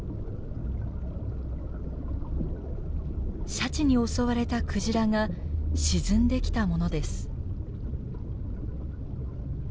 シャチに襲われたクジラが沈んできたものです。